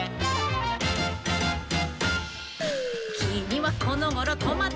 「きみはこのごろトマトだね」